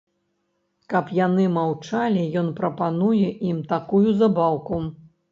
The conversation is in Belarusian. Каб яны маўчалі, ён прапануе ім такую забаўку.